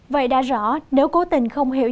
vậy đã rõ nếu cố tình không hiểu